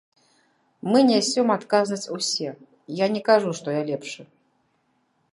Мы нясем адказнасць усе, я не кажу, што я лепшы.